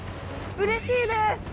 うれしいです。